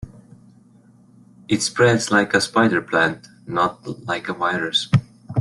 It spreads like a spider plant, not like a virus.